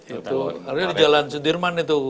itu artinya di jalan sudirman itu